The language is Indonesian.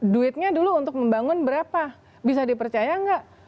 duitnya dulu untuk membangun berapa bisa dipercaya nggak